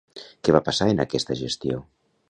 Què va passar en aquesta gestió?